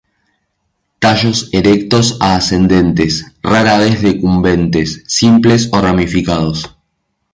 Tallos erectos a ascendentes, rara vez decumbentes, simples o ramificados.